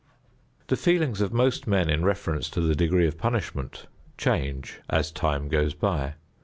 The feelings of most men in reference to the degree of punishment change as time goes by.